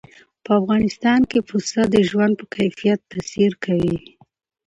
په افغانستان کې پسه د ژوند په کیفیت تاثیر کوي.